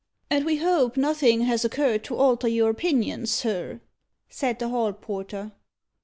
"And we hope nothing has occurred to alter your opinion, sir?" said the hall porter.